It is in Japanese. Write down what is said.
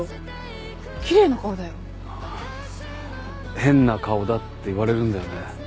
変な顔だって言われるんだよね。